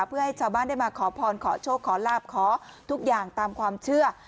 เพื่อให้ชาวบ้านได้มาขอพรขอโชคขอลาบขอทุกอย่างตามความเชื่อ